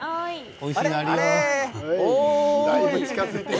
おいしいものあるよ！